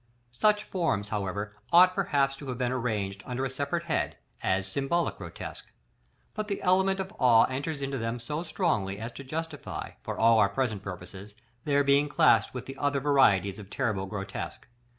§ LXIII. Such forms, however, ought perhaps to have been arranged under a separate head, as Symbolical Grotesque; but the element of awe enters into them so strongly, as to justify, for all our present purposes, their being classed with the other varieties of terrible grotesque.